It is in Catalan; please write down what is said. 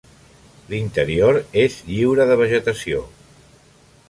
L'interior és lliure de vegetació.